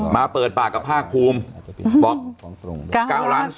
มาเปิดปากกับภาคคูมบอก๙๒๐๐๐